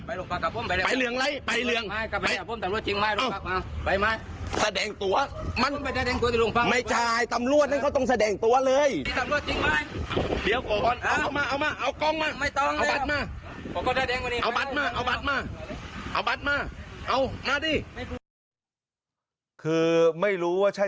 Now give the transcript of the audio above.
เออเมื่อกี้พี่ตาวัยเออพี่ตาวัย